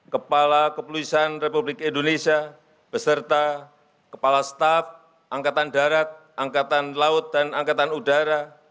kepala kepolisian republik indonesia beserta kepala staf angkatan darat angkatan laut dan angkatan udara